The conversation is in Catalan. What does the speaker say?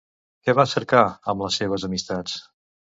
Què va cercar, amb les seves amistats?